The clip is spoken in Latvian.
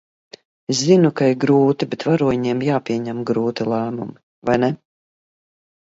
Es zinu, ka ir grūti, bet varoņiem jāpieņem grūti lēmumi, vai ne?